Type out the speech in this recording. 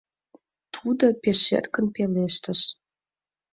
— тудо пеш эркын пелештыш.